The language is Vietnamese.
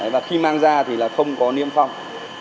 và khi mang ra thì là không có niêm phong